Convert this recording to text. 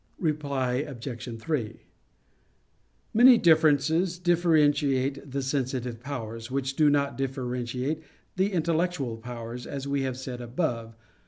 Reply Obj. 3: Many differences differentiate the sensitive powers, which do not differentiate the intellectual powers, as we have said above (A.